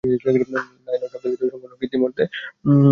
Nylon শব্দটি "সম্পূর্ণ কৃত্রিম" অর্থে ছিল প্রথম কৃত্রিম তন্তু।